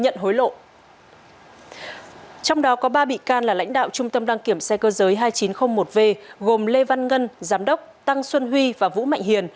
trong đó có ba bị can là lãnh đạo trung tâm đăng kiểm xe cơ giới hai nghìn chín trăm linh một v gồm lê văn ngân giám đốc tăng xuân huy và vũ mạnh hiền